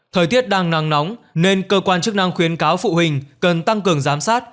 thời tiết đang nắng nóng nên cơ quan chức năng khuyến cáo phụ huynh cần tăng cường giám sát